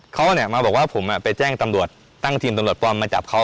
เขาเนี่ยมาบอกว่าผมไปแจ้งตำรวจตั้งทีมตำรวจปลอมมาจับเขา